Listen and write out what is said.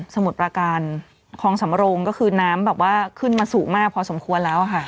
มุดประการคลองสำโรงก็คือน้ำแบบว่าขึ้นมาสูงมากพอสมควรแล้วค่ะ